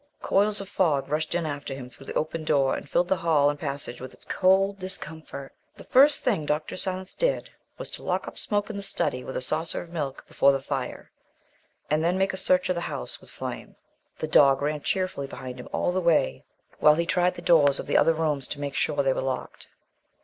Coils of fog rushed in after him through the opened door and filled the hall and passage with its cold discomfort. The first thing Dr. Silence did was to lock up Smoke in the study with a saucer of milk before the fire, and then make a search of the house with Flame. The dog ran cheerfully behind him all the way while he tried the doors of the other rooms to make sure they were locked.